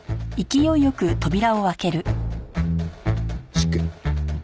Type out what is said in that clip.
失敬。